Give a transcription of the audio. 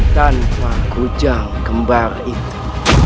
tanpa kujang kembar itu